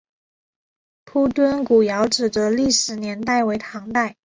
铺墩古窑址的历史年代为唐代。